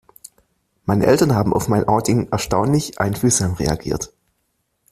Meine Eltern haben auf mein Outing erstaunlich einfühlsam reagiert.